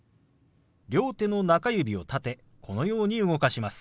両手の中指を立てこのように動かします。